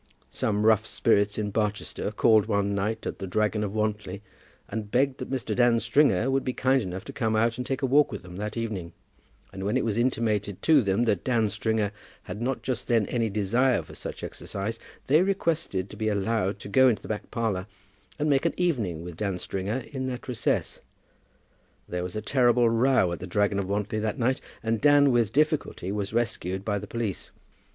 Some rough spirits in Barchester called one night at "The Dragon of Wantly," and begged that Mr. Dan Stringer would be kind enough to come out and take a walk with them that evening; and when it was intimated to them that Dan Stringer had not just then any desire for such exercise, they requested to be allowed to go into the back parlour and make an evening with Dan Stringer in that recess. There was a terrible row at "The Dragon of Wantly" that night, and Dan with difficulty was rescued by the police.